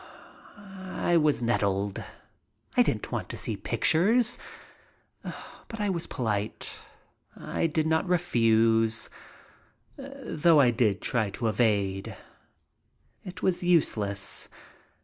I was nettled. I didn't want to see pictures. But I was polite. I did not refuse, though I did try to evade. It was useless.